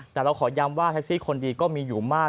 แต่เราขอย้ำว่าแท็กซี่คนดีก็มีอยู่มาก